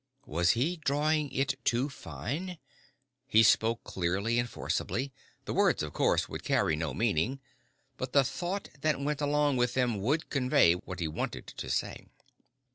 Was he drawing it too fine? He spoke clearly and forcefully. The words, of course, would carry no meaning. But the thought that went along with them would convey what he wanted to say.